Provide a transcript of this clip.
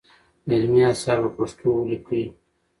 علمي اثار په پښتو ولیکئ.